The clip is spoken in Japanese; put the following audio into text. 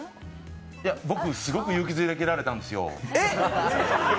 僕、すごく勇気づけられたんですよ。